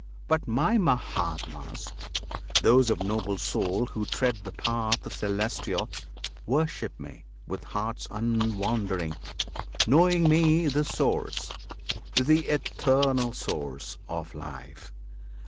But My Mahatmas, those of noble soul Who tread the path celestial, worship Me With hearts unwandering, knowing Me the Source, Th' Eternal Source, of Life.